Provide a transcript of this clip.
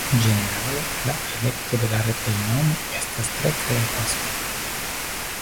Ĝenerale, la elekto de la retej-nomo estas tre krea tasko.